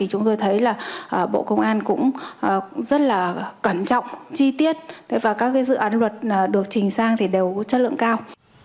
chúng tôi thấy là bộ công an cũng rất là cẩn trọng chi tiết và các dự án luật được trình sang thì đều có chất lượng cao